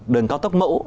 đường cao tốc mẫu